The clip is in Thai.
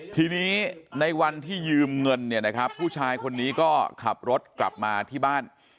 ทีนี้ในวันที่ยืมเงินเนี่ยนะครับผู้ชายคนนี้ก็ขับรถกลับมาที่บ้าน